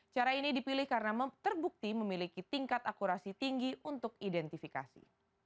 cara ini dipilih karena terbukti memiliki tingkat akurasi tinggi untuk identifikasi